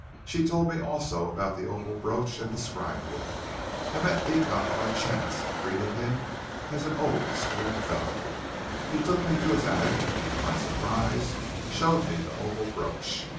"She told me also about the opal brooch and described it. I met Beecot by chance and greeted him as an old school fellow. He took me to his attic and to my surprise showed me the opal brooch.